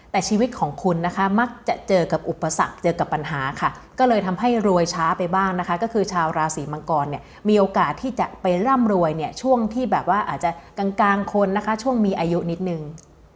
แต่ชีวิตของคุณนะคะมักจะเจอกับอุปสรรคเจอกับปัญหาค่ะก็เลยทำให้รวยช้าไปบ้างนะคะก็คือชาวราศีมังกรเนี่ยมีโอกาสที่จะไปร่ำรวยเนี่ยช่วงที่แบบว่าอาจจะกลางคนนะคะช่วงมีอายุนิดนึง